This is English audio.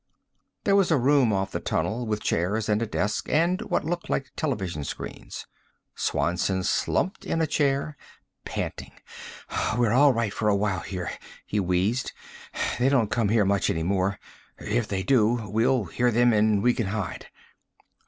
There was a room off the tunnel with chairs and a desk and what looked like television screens. Swanson slumped in a chair, panting. "We're all right for a while here," he wheezed. "They don't come here much any more. If they do, we'll hear them and we can hide."